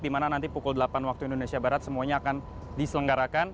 di mana nanti pukul delapan waktu indonesia barat semuanya akan diselenggarakan